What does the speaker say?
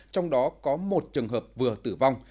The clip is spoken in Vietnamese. trong đó có một trường hợp vừa tử vong